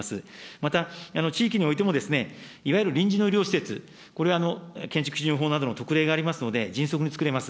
また、地域においても、いわゆる臨時の医療施設、これ、建築基準法などの特例がありますので、迅速に作れます。